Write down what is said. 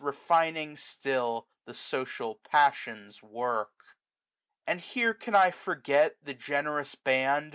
Refining still, the social passions work. And here can I forget the generous band.